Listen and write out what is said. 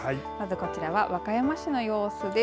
こちらは和歌山市の様子です。